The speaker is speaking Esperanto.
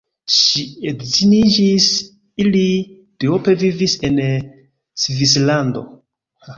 Ŝi edziniĝis, ili duope vivis en Svislando.